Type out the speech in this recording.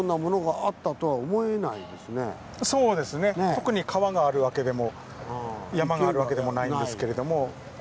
特に川があるわけでも山があるわけでもないんですけれども。